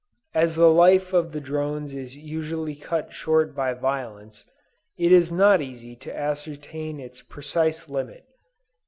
As the life of the drones is usually cut short by violence, it is not easy to ascertain its precise limit.